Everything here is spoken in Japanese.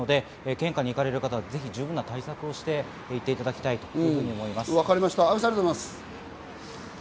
献花に行かれる方は十分な対策をして行っていただきたいと思います。